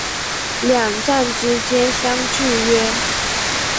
两站之间相距约。